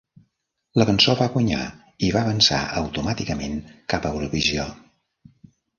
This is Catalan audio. La cançó va guanyar i va avançar automàticament cap a Eurovisió.